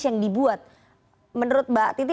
yang dibuat menurut mbak titi